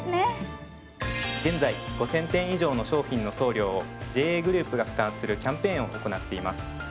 現在５０００点以上の商品の送料をＪＡグループが負担するキャンペーンを行っています。